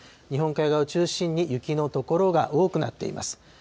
日本海側を中心に雪の所が多くなっています。